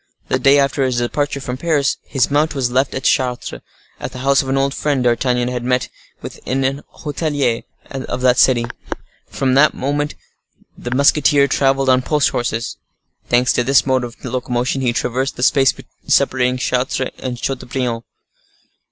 The day after his departure from Paris, his mount was left at Chartres, at the house of an old friend D'Artagnan had met with in an hotelier of that city. From that moment the musketeer travelled on post horses. Thanks to this mode of locomotion, he traversed the space separating Chartres from Chateaubriand.